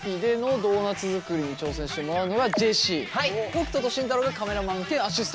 北斗と慎太郎がカメラマン兼アシスタント。